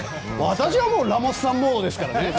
私はラモスさんモードですからね。